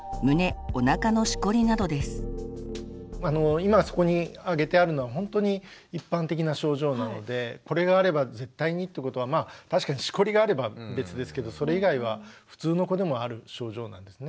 今そこにあげてあるのはほんとに一般的な症状なのでこれがあれば絶対にってことはまあ確かにしこりがあれば別ですけどそれ以外は普通の子でもある症状なんですね。